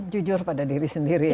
jujur pada diri sendiri